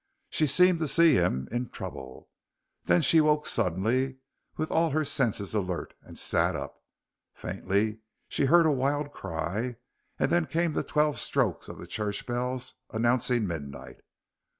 She seemed to see him in trouble. Then she woke suddenly, with all her senses alert, and sat up. Faintly she heard a wild cry, and then came the twelve strokes of the church bells announcing midnight.